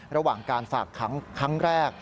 ระหว่างการฝากขังครั้งแรก